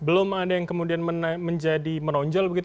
belum ada yang kemudian menjadi menonjol begitu